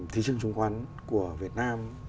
thị trường chứng khoán của việt nam